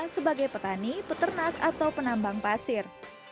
sebagai petani peternak atau penambang pasir